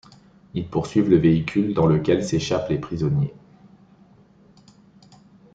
Ils poursuivent le véhicule dans lequel s'échappent les prisonniers.